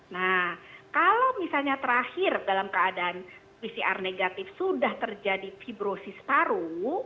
nah kalau misalnya terakhir dalam keadaan pcr negatif sudah terjadi fibrosis paru